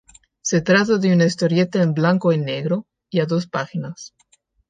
Se trata de una historieta en blanco y negro, y a dos páginas.